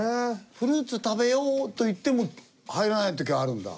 「フルーツ食べよう」と言っても入らない時があるんだ。